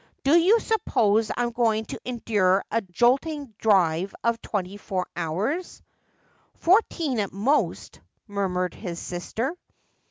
' Do you suppose I am going to endure a jolting drive of twenty four hours '' Fourteen at most,' murmured his sister.